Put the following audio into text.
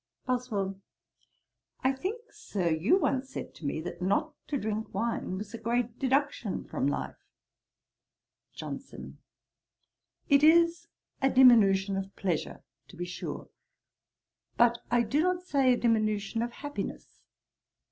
BOSWELL. 'I think, Sir, you once said to me, that not to drink wine was a great deduction from life.' JOHNSON. 'It is a diminution of pleasure, to be sure; but I do not say a diminution of happiness.